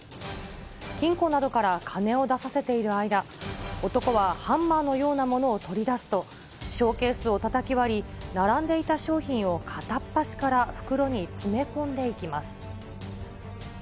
金庫などから金を出させている間、男はハンマーのようなものを取り出すと、ショーケースをたたき割り、並んでいた商品を片っ端から袋に詰め込んでいきます。